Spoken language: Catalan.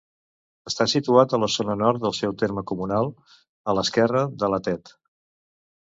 Està situat a la zona nord del seu terme comunal, a l'esquerra de la Tet.